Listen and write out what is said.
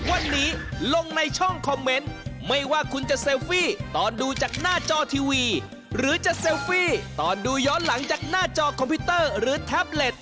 วันนี้ลงในช่องคอมเมนต์ไม่ว่าคุณจะเซลฟี่ตอนดูจากหน้าจอทีวีหรือจะเซลฟี่ตอนดูย้อนหลังจากหน้าจอคอมพิวเตอร์หรือแท็บเล็ต